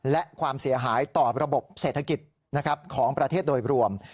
และความเสียหายต่อระบบเศรษฐกิจของประเทศโดยรวม